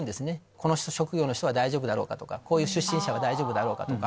この職業の人は大丈夫だろうかとかこういう出身者は大丈夫だろうかとか。